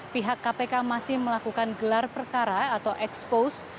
pihak kpk masih melakukan gelar perkara atau expose